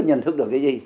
nhận thức được cái gì